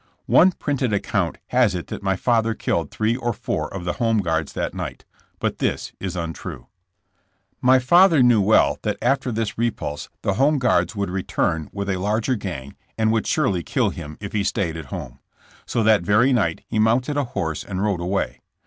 One printed account has it that my father killed three or four of the Home Guards that night, but this is untrue. My father knew well that after this repulse the Home Guards would return with a larger gang and would surely kill him if he stayed at home. So that very night he mounted a horse and rode away.